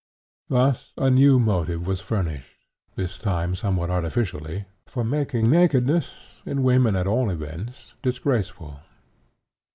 Thus a new motive was furnished, this time somewhat artificially, for making nakedness, in women at all events, disgraceful.